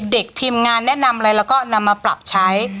ทีมงานแนะนำอะไรแล้วก็นำมาปรับใช้